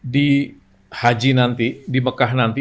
di haji nanti di mekah nanti